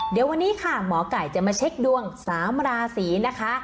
เดี๋ยววันนี้ค่ะหมอไก่จะมาเช็คดวง๓ราศีนะคะ